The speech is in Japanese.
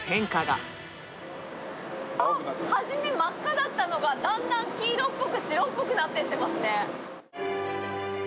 初め真っ赤だったのが、だんだん黄色っぽく、白っぽくなっていってますね。